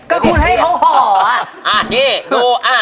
ก็คุณให้เขาฮออออออ